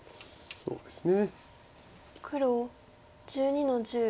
そうですね。